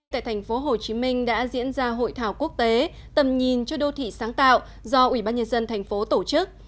tại thành phố hồ chí minh đã diễn ra hội thảo quốc tế tầm nhìn cho đô thị sáng tạo do ủy ban nhân dân thành phố tổ chức